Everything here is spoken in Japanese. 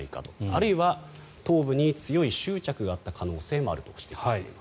あるいは頭部に強い執着があった感染もあると指摘しています。